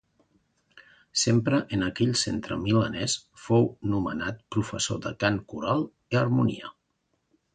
Sempre en aquell centre milanès fou nomenat professor de cant coral i harmonia.